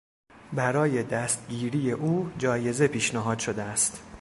برای دستگیری او جایزه پیشنهاد شده است.